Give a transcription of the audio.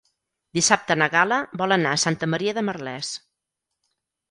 Dissabte na Gal·la vol anar a Santa Maria de Merlès.